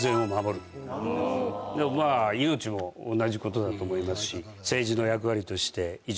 でもまぁ命も同じことだと思いますし。